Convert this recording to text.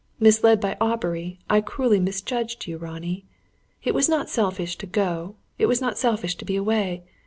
Misled by Aubrey, I cruelly misjudged you, Ronnie. It was not selfish to go; it was not selfish to be away.